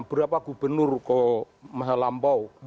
berapa gubernur ke mahalampau